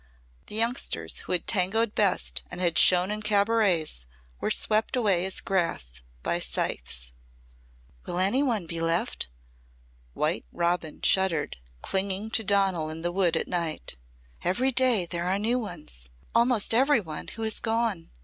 The youngsters who had tangoed best and had shone in cabarets were swept away as grass by scythes. "Will any one be left?" white Robin shuddered, clinging to Donal in the wood at night. "Every day there are new ones. Almost every one who has gone!